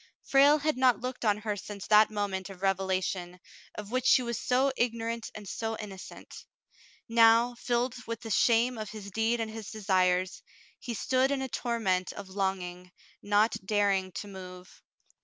Frale had not looked on her since that moment of revelation, of which she was so igno rant and so innocent. Now, filled with the shame of his deed and his desires, he stood in a torment of longing, not daring to move.